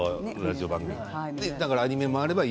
アニメもあれば。